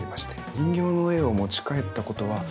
人形の絵を持ち帰ったことはないですか？